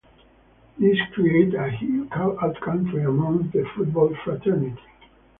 This created a huge outcry amongst the football fraternity.